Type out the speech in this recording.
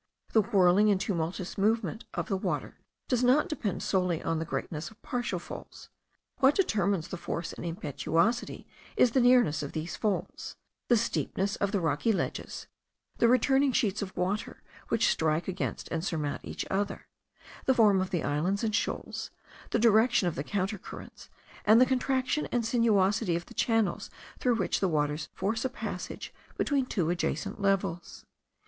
The whirling and tumultuous movement of the water does not depend solely on the greatness of partial falls; what determines the force and impetuosity is the nearness of these falls, the steepness of the rocky ledges, the returning sheets of water which strike against and surmount each other, the form of the islands and shoals, the direction of the counter currents, and the contraction and sinuosity of the channels through which the waters force a passage between two adjacent levels.